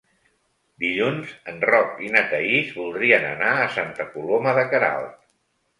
Dilluns en Roc i na Thaís voldrien anar a Santa Coloma de Queralt.